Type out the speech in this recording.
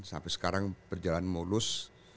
sampai sekarang berjalan mulus